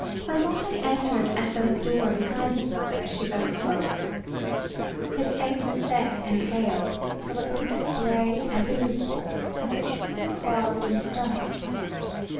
"Clement had entered at the door behind his mother as she thus spoke. His face was set and pale, till it looked as gray and immovable as if it had been carved in stone.